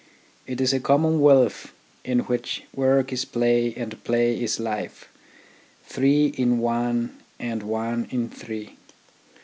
It is a common wealth in which work is play and play is life : three in one and one in three.